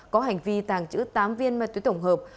có hành vi tàng trữ tám viên ma túy tổng hợp